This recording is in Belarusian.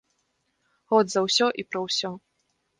Год за ўсё і пра ўсё!